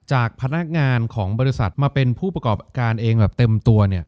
จากพนักงานของบริษัทมาเป็นผู้ประกอบการเองแบบเต็มตัว